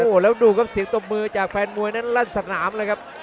โอ้โหแล้วดูครับเสียงตบมือจากแฟนมวยนั้นลั่นสนามเลยครับ